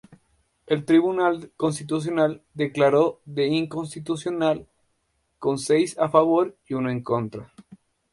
El Tribunal Constitucional declaró de inconstitucional con seis a favor y uno en contra.